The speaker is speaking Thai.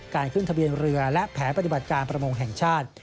การขึ้นทะเบียนเรือและแผนปฏิบัติการประมงแห่งชาติ